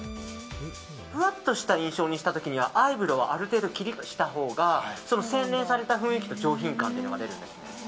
ふわっとした印象にした時にはアイブローはある程度きりっとしたほうが洗練された雰囲気と上品感が出るんですね。